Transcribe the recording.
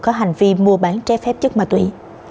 có hành vi mua bán trái phép chất ma túy